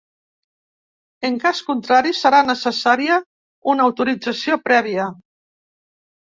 En cas contrari, serà necessària una autorització prèvia.